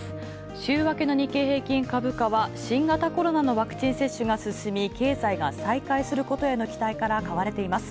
週明けの日経平均株価は新型コロナのワクチン接種が進み経済が再開することへの期待から買われています。